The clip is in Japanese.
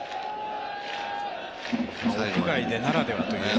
屋外ならではというね。